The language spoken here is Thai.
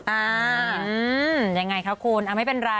อ่าอิยยยยยังไงค่ะคุณอะไม่เป็นไร